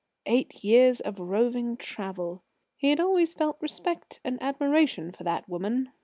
Eight years of roving travel! He had always felt respect and admiration for that woman.